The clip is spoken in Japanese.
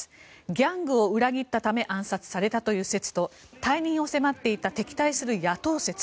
ギャングを裏切ったため暗殺されたという説と退任を迫っていた敵対する野党説。